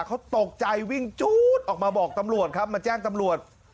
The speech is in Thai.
เขาตกใจวิ่งจู๊ดออกมาบอกตำรวจครับมาแจ้งตำรวจ